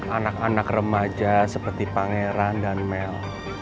anak anak remaja seperti pangeran dan mel